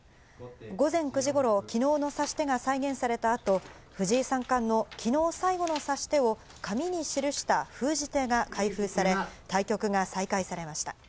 午前９時ごろ、きのうの指し手が再現されたあと、藤井三冠のきのう最後の指し手を紙に記した封じ手が開封され、対局が再開されました。